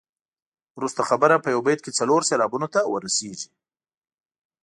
وروسته خبره په یو بیت کې څلور سېلابونو ته رسيږي.